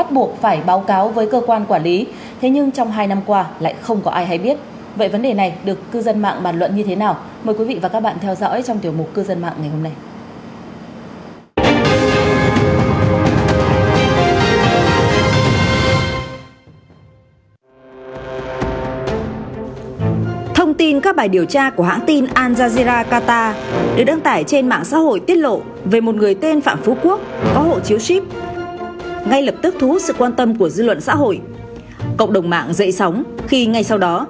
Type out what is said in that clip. mời quý vị và các bạn theo dõi trong tiểu mục cư dân mạng ngày hôm nay